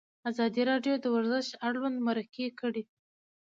ازادي راډیو د ورزش اړوند مرکې کړي.